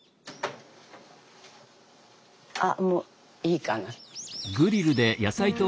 あもういいかな。